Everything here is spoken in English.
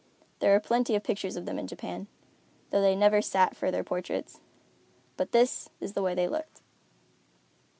There are plenty of pictures of them in Japan, though they never sat for their portraits, but this is the way they looked.